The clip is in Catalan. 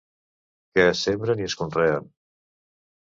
Que es sembren i es conreen.